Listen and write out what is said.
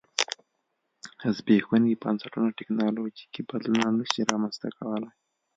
زبېښونکي بنسټونه ټکنالوژیکي بدلونونه نه شي رامنځته کولای.